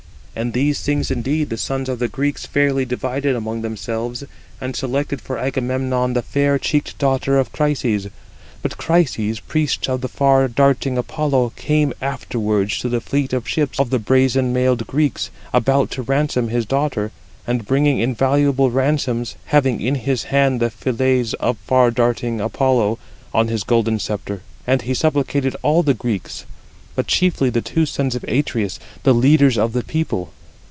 And these things indeed the sons of the Greeks fairly divided among themselves, and selected for Agamemnon the fair cheeked daughter of Chryses. But Chryses, priest of the far darting Apollo, came afterwards to the fleet ships of the brazen mailed Greeks, about to ransom his daughter, and bringing invaluable ransoms, having in his hand the fillets of far darting Apollo, on his golden sceptre. And he supplicated all the Greeks, but chiefly the two sons of Atreus, the leaders of the people.